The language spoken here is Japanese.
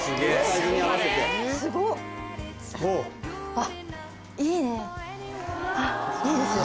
あっいいね。